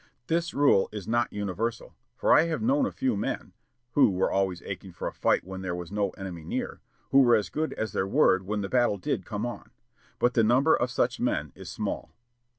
This rule is not universal, for I have known a few men who were always aching for a fight when there was no enemy near, who were as good as their word when the battle did come on. But the number of such men is small."